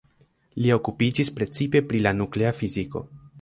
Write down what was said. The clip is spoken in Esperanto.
Li okupiĝis precipe pri la nuklea fiziko.